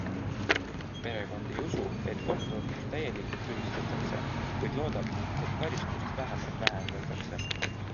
Perekond ei usu, et kohtuotsus täielikult tühistatakse, kuid loodab, et karistust vähemalt vähendatakse.